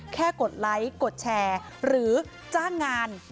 กดไลค์กดแชร์หรือจ้างงาน